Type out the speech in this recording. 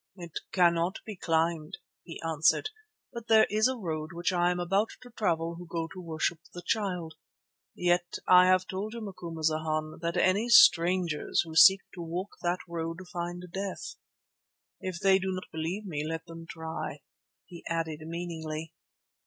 "It cannot be climbed," he answered, "but there is a road which I am about to travel who go to worship the Child. Yet I have told you, Macumazana, that any strangers who seek to walk that road find death. If they do not believe me, let them try," he added meaningly.